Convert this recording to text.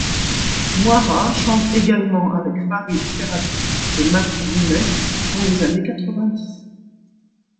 Nouara chante également avec Farid Ferragui et Matoub Lounès dans les années quatre vingt-dix.